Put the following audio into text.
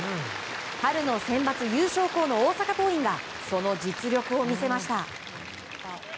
春のセンバツ優勝校の大阪桐蔭がその実力を見せました。